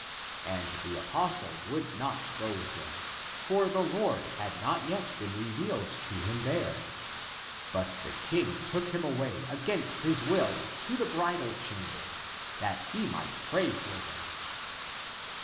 And the apostle would not go with him, for the Lord had not yet been revealed to him there. But the King took him away against his will to the bridal chamber, that he might pray for them.